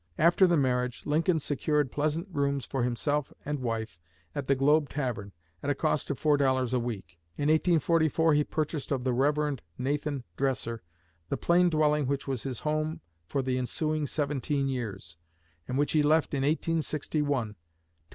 After the marriage Lincoln secured pleasant rooms for himself and wife at the Globe Tavern, at a cost of four dollars a week. In 1844 he purchased of the Rev. Nathan Dressar the plain dwelling which was his home for the ensuing seventeen years, and which he left in 1861 to enter the White House.